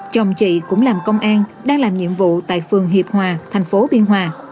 chồng chị cũng làm công an đang làm nhiệm vụ tại phường hiệp hòa thành phố biên hòa